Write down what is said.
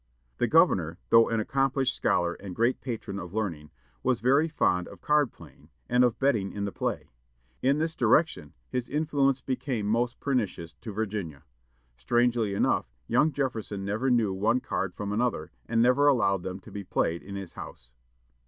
The governor, though an accomplished scholar and great patron of learning, was very fond of card playing, and of betting in the play. In this direction his influence became most pernicious to Virginia. Strangely enough, young Jefferson never knew one card from another, and never allowed them to be played in his house.